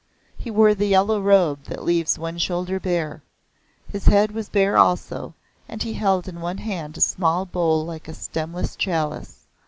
He wore the yellow robe that leaves one shoulder bare; his head was bare also and he held in one hand a small bowl like a stemless chalice.